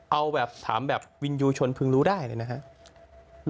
เอาแบบถามแบบวินยูชนพึงรู้ได้เลยนะครับ